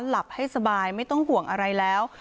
หลับให้สบายไม่ต้องห่วงอะไรแล้ว